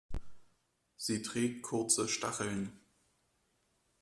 Sie trägt kurze Stacheln.